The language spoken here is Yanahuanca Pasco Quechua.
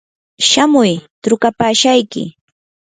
shamuy trukapashayki.